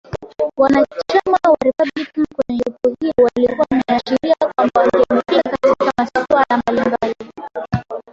Wanachama wa Republican kwenye jopo hilo walikuwa wameashiria kwamba wangempinga katika masuala mbalimbali